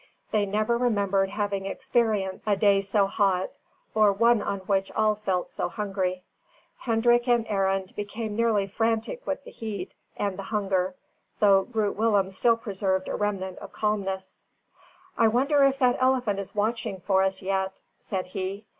They never remembered having experienced a day so hot, or one on which all felt so hungry. Hendrik and Arend became nearly frantic with the heat and the hunger, though Groot Willem still preserved a remnant of calmness. "I wonder if that elephant is watching for us yet?" said he.